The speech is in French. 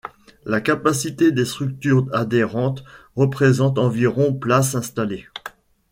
La capacité des structures adhérentes représente environ places installées.